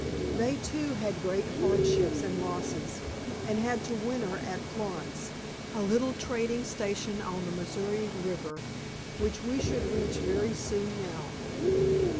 They, too, had great hardships and losses, and had to winter at Florence, a little trading station on the Missouri River, which we should reach very soon now."